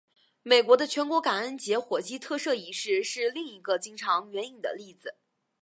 美国的全国感恩节火鸡特赦仪式是另一个经常援引的例子。